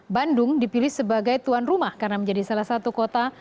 bandung dipilih sebagai tuan rumah karena menjadi salah satu kota